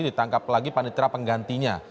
ditangkap lagi panitera penggantinya